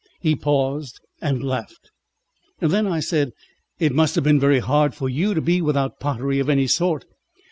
He paused and laughed. Then I said: "It must have been very hard for you to be without pottery of any sort."